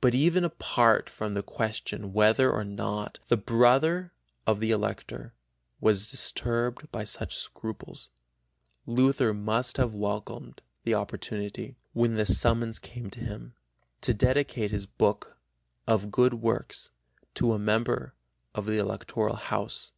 But even apart from the question whether or not the brother of the Elector was disturbed by such scruples, Luther must have welcomed the opportunity, when the summons came to him, to dedicate his book Of Good Works to a member of the Electoral house.